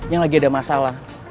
yang lagi ada masalah